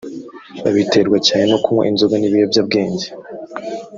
babiterwa cyane no kunywa inzoga n’ibiyobyabwenge